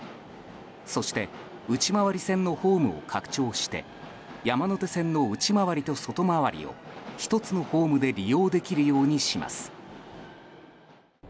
そして内回り線のホームを拡張して山手線の内回りと外回りを１つのホームで利用できるようにします。